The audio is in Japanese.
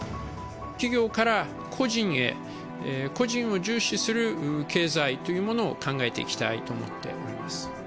企業から個人へ、個人を重視する経済というものを考えていきたいと思っております。